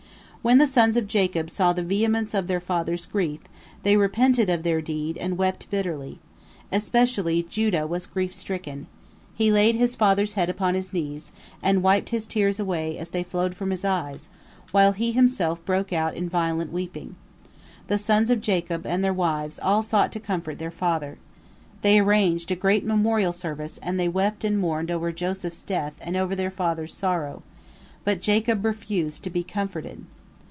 When the sons of Jacob saw the vehemence of their father's grief, they repented of their deed, and wept bitterly. Especially Judah was grief stricken. He laid his father's head upon his knees, and wiped his tears away as they flowed from his eyes, while he himself broke out in violent weeping. The sons of Jacob and their wives all sought to comfort their father. They arranged a great memorial service, and they wept and mourned over Joseph's death and over their father's sorrow. But Jacob refused to be comforted.